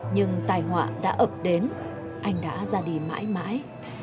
nhưng tài họa đã ập đến anh đã ra đi mãi mãi